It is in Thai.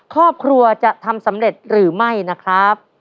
ครอบครัวจะทำสำเร็จหรือไม่นะครับ